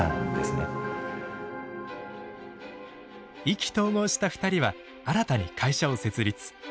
意気投合した２人は新たに会社を設立。